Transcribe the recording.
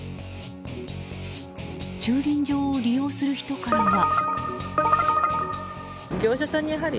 駐輪場を利用する人からは。